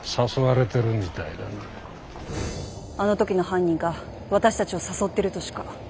あの時の犯人が私たちを誘ってるとしか。